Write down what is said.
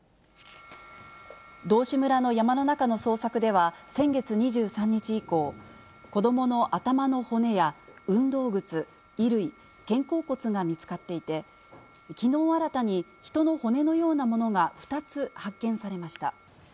道志村の山の中の捜索では先月２３日以降、子どもの頭の骨や運動靴、衣類、肩甲骨が見つかっていて、きのう新たに人の骨のようなものが２つ発見されました。